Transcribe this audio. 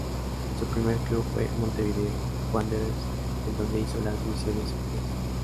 Su primer club fue Montevideo Wanderers en donde hizo las divisiones inferiores.